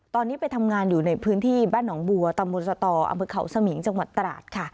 ตอนนี้ไปทำงานอยู่ในพื้นที่บ้านหนองบัวตำบลสตออำเภอเขาสมิงจังหวัดตราดค่ะ